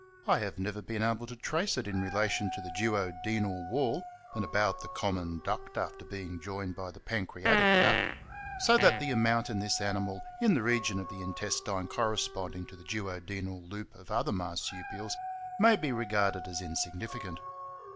I have never been able to trace it in relation to the duo denal wall and about the common duct after being joined by the pancreatic duct, so that the amount in this animal in the region of the intestine corresponding to the duo denal loop of other Marsupials may be regarded as insig nificant.